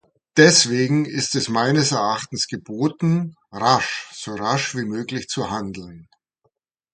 Deswegen ist es meines Erachtens geboten, rasch, so rasch wie möglich zu handeln.